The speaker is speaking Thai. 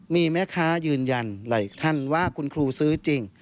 มีแม่ค้ายืนยันหลายท่านว่าคุณครูซื้อจริง